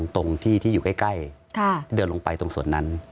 ตรงที่ที่อยู่ใกล้เดินลงไปตรงส่วนนั้น